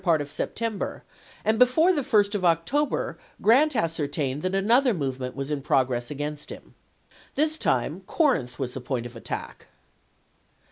part of September, and before the 1st of October Grant ascertained that another movement was in progress against him. This time Corinth was the point of attack.